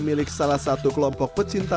milik salah satu kelompok pecinta